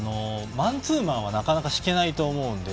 マンツーマンはなかなか敷けないと思うので。